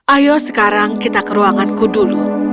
ayo sekarang kita ke ruanganku dulu